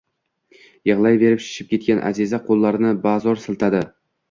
…Yigʼlayverib shishib ketgan Аziza qoʼllarini bazoʼr siltadi.